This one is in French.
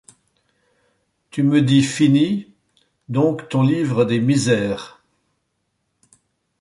Tu me dis Finis. donc ton livre des Misères.